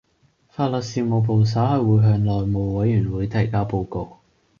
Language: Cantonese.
法律事務部稍後會向內務委員會提交報告